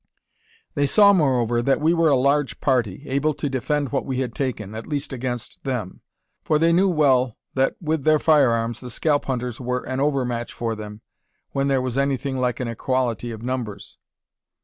They saw, moreover, that we were a large party, able to defend what we had taken, at least against them; for they knew well that with their firearms the scalp hunters were an over match for them, when there was anything like an equality of numbers.